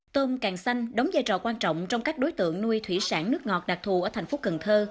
tôm càng xanh đóng vai trò quan trọng trong các đối tượng nuôi thủy sản nước ngọt đặc thù ở thành phố cần thơ